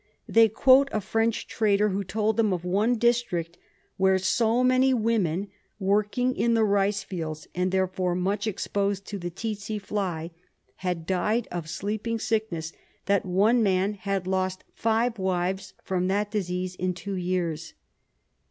They quote a French trader who told them of one district where so many women, working in the rice fields and therefore much exposed to the tsetse fly, had died of sleeping sickness, that one man had lost five wives from that disease in two years.